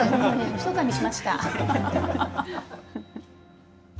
ひとかみしました。